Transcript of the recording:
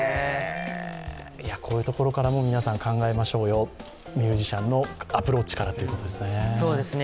こういうところからも皆さん考えましょうよ、ミュージシャンのアプローチからということですね。